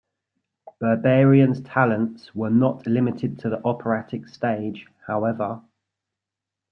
Berbarian's talents were not limited to the operatic stage, however.